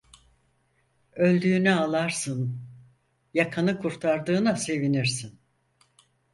Öldüğüne ağlarsın, yakanı kurtardığına sevinirsin!